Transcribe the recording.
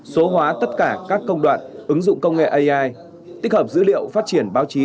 số hóa tất cả các công đoạn ứng dụng công nghệ ai tích hợp dữ liệu phát triển báo chí